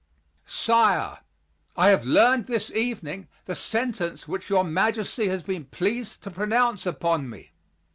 "Sire I have learned this evening the sentence which your majesty has been pleased to pronounce upon me.